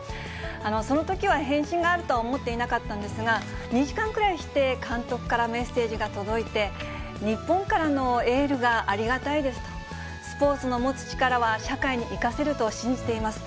そのときは返信があるとは思っていなかったんですが、２時間くらいして、監督からメッセージが届いて、日本からのエールがありがたいですと、スポーツの持つ力は、社会に生かせると信じています。